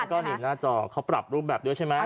แล้วก็เง็บหน้าจอเขาปรับรูปแบบแล้วใช่มะ